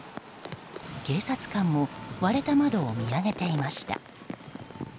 警察官も割れた窓を見上げていました。